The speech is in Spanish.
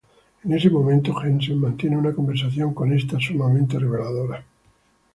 En ese momento, Jensen mantiene una conversación con esta sumamente reveladora.